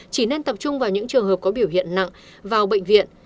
chỉ nên tập trung vào những trường hợp có biểu hiện nặng vào bệnh viện